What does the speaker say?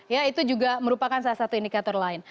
ya itu juga merupakan salah satu indikator lain